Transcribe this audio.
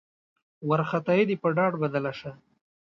وارخطايي دې په ډاډ بدله شي.